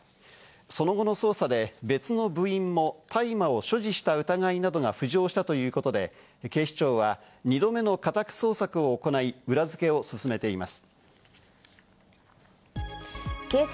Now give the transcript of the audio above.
その後の捜査で別の部員も所持した疑いなどが浮上したということで警視庁は２度目の家宅捜索を行い、裏付けを進めています。